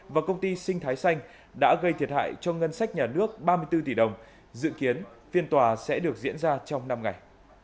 và công ty sinh thái xanh đã gây thiệt hại cho ngân sách nhà nước ba mươi bốn tỷ đồng dự kiến phiên tòa sẽ được diễn ra trong năm ngày